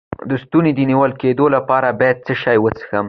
د ستوني د نیول کیدو لپاره باید څه شی وڅښم؟